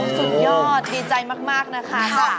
โอ้โฮสุดยอดดีใจมากนะคะ